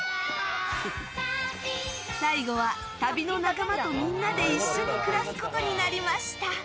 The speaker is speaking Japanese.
最後は、旅の仲間とみんなで一緒に暮らすことになりました。